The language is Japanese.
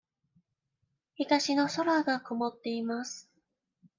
東の空が曇っています。